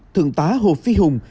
thượng tá hồ phi hùng